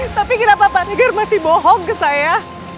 tapi kenapa pak niger masih bohong ke saya